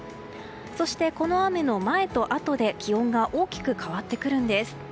そしてこの雨の前とあとで気温が大きく変わってくるんです。